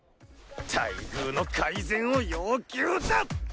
待遇の改善を要求だ！